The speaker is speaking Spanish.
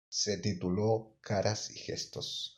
Se tituló "Caras y gestos".